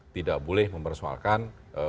tidak boleh mempersoalkan